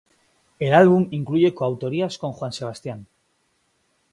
El álbum incluye co-autorías con Joan Sebastian.